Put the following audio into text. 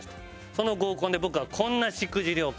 その合コンで僕はこんなしくじりを犯していました。